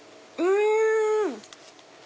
うん！